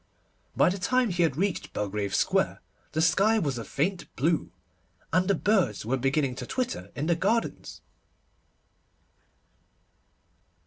By the time he had reached Belgrave Square the sky was a faint blue, and the birds were beginning to twitter in the gardens.